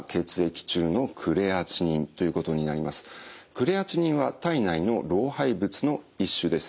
クレアチニンは体内の老廃物の一種です。